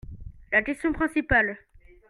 La question principale.